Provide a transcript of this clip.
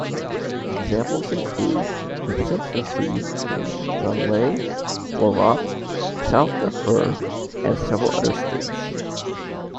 Examples include constituencies in Jonglei, Warrap, South Darfur, and several other states.